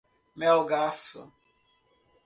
Melgaço